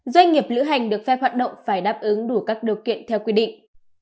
doanh nghiệp lữ hành được phép hoạt động phải đáp ứng đủ các điều kiện theo quy định